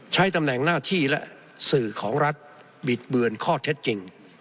ใช้ตำแหน่งหน้าที่และสื่อของรัฐบิดเบือนข้อเท็จจริง